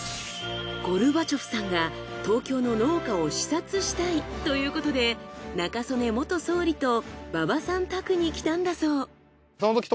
ゴルバチョフさんが東京の農家を視察したいということで中曽根元総理と馬場さん宅に来たんだそう。